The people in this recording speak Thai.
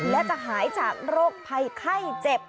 และจะหายจากโรคภัยไข้เจ็บ